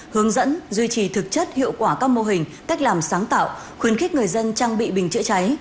hướng dẫn duy trì thực chất hiệu quả các mô hình cách làm sáng tạo khuyến khích người dân trang bị bình chữa cháy